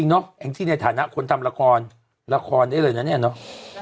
ในฐานะคนทำละครได้เลยนะแน่เนอะ